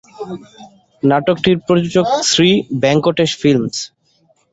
নাটকটির প্রযোজক শ্রী ভেঙ্কটেশ ফিল্মস।